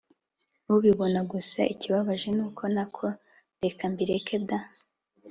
ubibona gusa ikibabaje nuko… Nako reka mbireke da